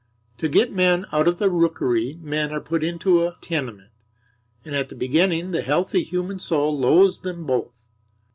To get men out of a rookery men are put into a tenement; and at the beginning the healthy human soul loathes them both.